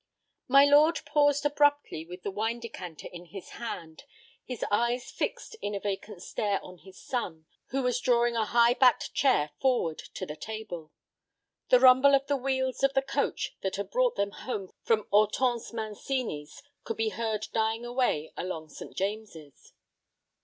XI My lord paused abruptly with the wine decanter in his hand, his eyes fixed in a vacant stare on his son, who was drawing a high backed chair forward to the table. The rumble of the wheels of the coach that had brought them home from Hortense Mancini's could be heard dying away along St. James's.